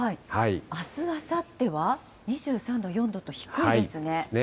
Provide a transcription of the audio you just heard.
あす、あさっては２３度、４度と、低いですね。